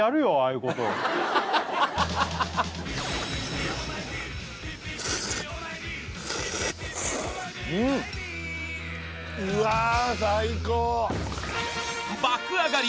うわ最高っ